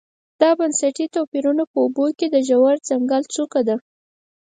دا بنسټي توپیرونه په اوبو کې د ژور کنګل څوکه ده